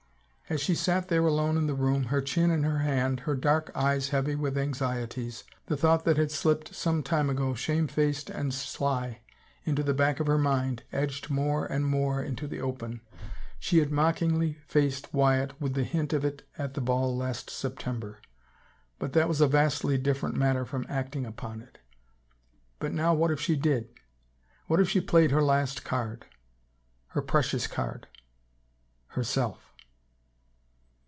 As she sat there alone in the room, her chin in her hand, her dark eyes heavy with anxieties, the thought that had slipped some time ago, shamefaced and sly, into the back of her mind edged more and more into the open. She had mockingly faced Wyatt with the hint of it at the ball last September — but that was a vastly different matter from acting upon it. But now what if she did? What if she played her last card — her precious card — herself!